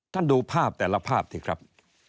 ดูภาพแต่ละภาพสิครับ